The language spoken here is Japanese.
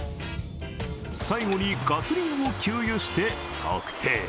最後にガソリンを給油して測定。